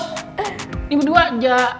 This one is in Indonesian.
ini berdua aja